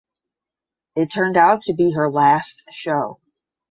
It turned out to be her last show.